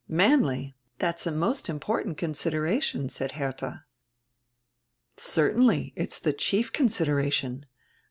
"Manly? That's a most important consideration," said Herdia. "Certainly, it's die chief consideration.